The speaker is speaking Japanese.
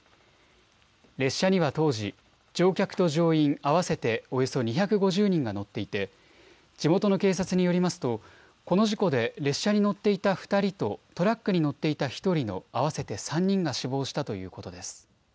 列車には当時、乗客と乗員合わせておよそ２５０人が乗っていて地元の警察によりますとこの事故で列車に乗っていた２人とトラックに乗っていた１人の合わせて３人が死亡したということです。